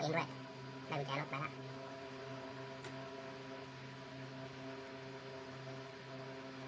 มีคนขับรถให้